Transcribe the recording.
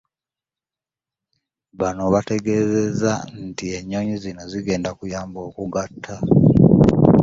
Bano bategeezezza nti ennyonyi zino zigenda kuyamba okugatta